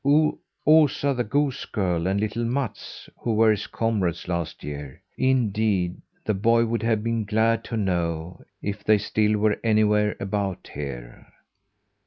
Osa the goose girl and little Mats, who were his comrades last year! Indeed the boy would have been glad to know if they still were anywhere about here.